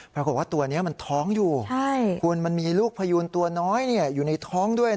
ปรากฏว่าตัวนี้มันท้องอยู่คุณมันมีลูกพยูนตัวน้อยอยู่ในท้องด้วย